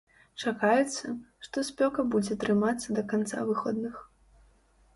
Чакаецца, што спёка будзе трымацца да канца выходных.